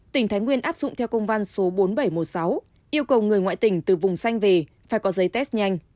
tỉnh thái nguyên áp dụng theo công văn số bốn nghìn bảy trăm một mươi sáu yêu cầu người ngoại tỉnh từ vùng xanh về phải có giấy test nhanh